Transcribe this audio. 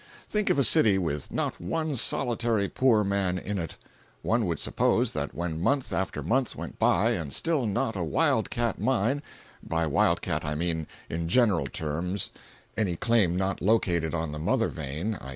Think of a city with not one solitary poor man in it! One would suppose that when month after month went by and still not a wild cat mine (by wild cat I mean, in general terms, any claim not located on the mother vein, i.